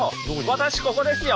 私ここですよ。